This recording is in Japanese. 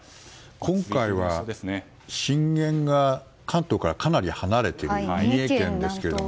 今回は震源が関東からかなり離れていて三重県ですけど。